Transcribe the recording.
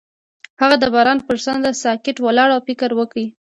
هغه د باران پر څنډه ساکت ولاړ او فکر وکړ.